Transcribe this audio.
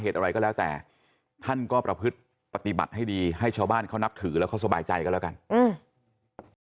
อะไรก็แล้วแต่ท่านก็ประพฤติปฏิบัติให้ดีให้ชาวบ้านเขานับถือแล้วเขาสบายใจกันแล้วกันอืม